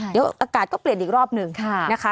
เดี๋ยวอากาศก็เปลี่ยนอีกรอบหนึ่งนะคะ